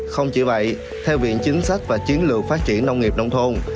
không chỉ vậy theo viện chính sách và chiến lược phát triển nông nghiệp nông thôn